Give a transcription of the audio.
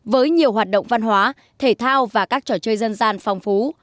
với nhiều hoạt động văn hóa thể thao và các trò chơi dân gian phong phú